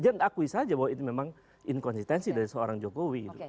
dia tidak akui saja bahwa ini memang inkonsistensi dari seorang jokowi